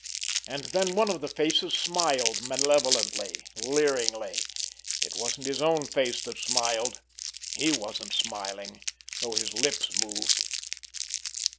And then one of the faces smiled malevolently, leeringly. It wasn't his own face that smiled. He wasn't smiling—though his lips moved.